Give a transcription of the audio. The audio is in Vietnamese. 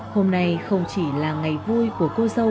hôm nay không chỉ là ngày vui của cô dâu